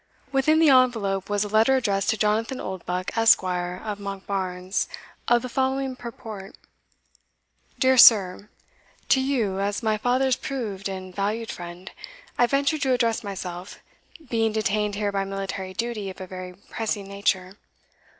Within the envelope was a letter addressed to Jonathan Oldbuck, Esq. of Monkbarns, of the following purport: "Dear Sir, To you, as my father's proved and valued friend, I venture to address myself, being detained here by military duty of a very pressing nature.